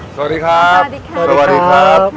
สวัสดีครับสวัสดีครับ